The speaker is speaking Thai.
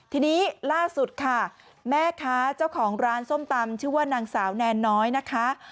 ทีนี้ล่าสุดค่ะแม่ค้าเจ้าของร้านส้มตำชื่อว่านางสาวแนนน้อยนะคะ